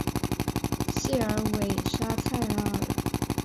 谢尔韦沙泰拉尔。